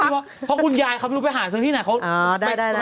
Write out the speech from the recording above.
เพราะคุณยายเขาไม่รู้ไปหาที่ไหน